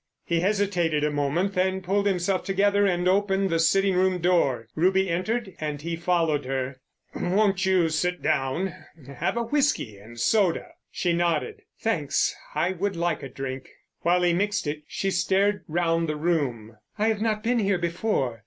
He hesitated a moment, then pulled himself together and opened the sitting room door. Ruby entered and he followed her. "Won't you sit down? Have a whisky and soda?" She nodded. "Thanks, I would like a drink." While he mixed it she stared round the room. "I've not been here before.